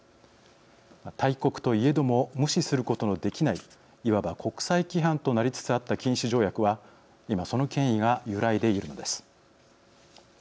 大国といえども無視することのできないいわば国際規範となりつつあった禁止条約は、今その権威が揺らいでいるのです。